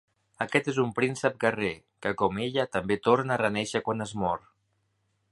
Aquest és un príncep guerrer, que com ella, també torna a renéixer quan es mor.